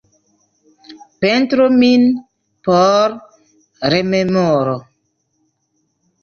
Pentru min por rememoro.